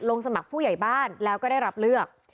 สมัครผู้ใหญ่บ้านแล้วก็ได้รับเลือก